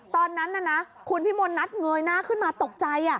ตอนนั้นน่ะนะคุณพี่มนต์นัทเงยหน้าขึ้นมาตกใจ